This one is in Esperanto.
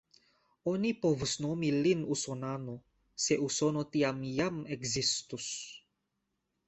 Oni povus nomi lin usonano, se Usono tiam jam ekzistus.